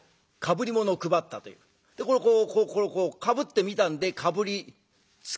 これをこうこうこうかぶって見たんでかぶり付き。